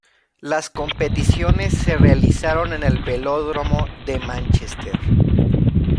Las competiciones se realizaron en el Velódromo de Manchester.